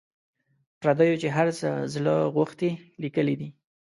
پردیو چي هر څه زړه غوښتي لیکلي دي.